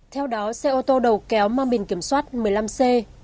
theo đó xe ô tô đầu kéo mang biển kiểm soát một mươi năm c